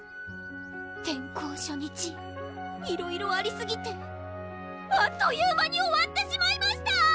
・転校初日いろいろありすぎてあっという間に終わってしまいました！